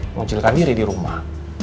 mengucilkan diri di rumah